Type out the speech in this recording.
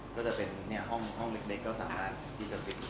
ก็จะเป็นห้องเล็กก็สามารถที่จะปิด